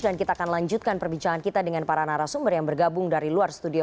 dan kita akan lanjutkan perbincangan kita dengan para narasumber yang bergabung dari luar studio